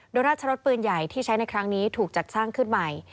โดยราชรสปืนใหญ่ที่ใช้ในครั้งนี้ถูกจัดสร้างขึ้นใหม่